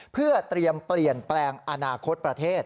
เพื่อเตรียมเปลี่ยนแปลงอนาคตประเทศ